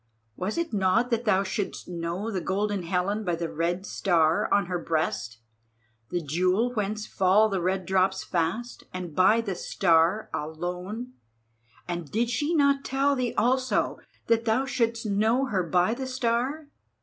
Was it not that thou shouldst know the Golden Helen by the Red Star on her breast, the jewel whence fall the red drops fast, and by the Star alone? And did she not tell thee, also, that thou shouldst know her by the Star?